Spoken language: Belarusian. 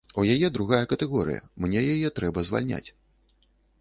У яе другая катэгорыя, мне яе трэба звальняць.